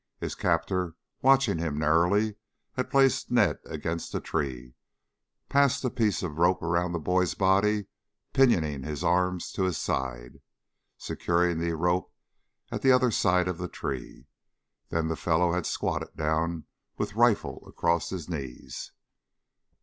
His captor, watching him narrowly, had placed Ned against a tree, passed a piece of rope about the boy's body, pinioning his arms to his sides, securing the rope at the other side of the tree. Then the fellow had squatted down with rifle across his knees.